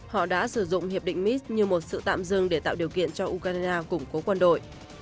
họ đã sử dụng hiệp định mits như một sự tạm dừng để tạo điều kiện cho ukraine củng cố quân đội